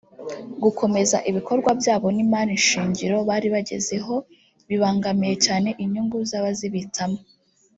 "Gukomeza ibikorwa byabo n’imari shingiro bari bagezeho bibangamiye cyane inyungu z’abazibitsamo